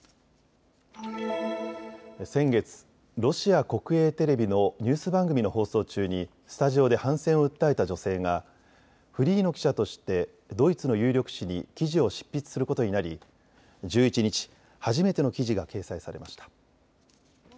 先月、ロシア国営テレビのニュース番組の放送中にスタジオで反戦を訴えた女性がフリーの記者としてドイツの有力紙に記事を執筆することになり１１日、初めての記事が掲載されました。